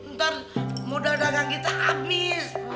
ntar muda dagang kita habis